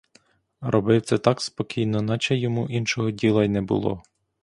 Робив це так спокійно, наче йому іншого діла й не було.